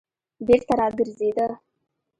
بېرته راگرځېده.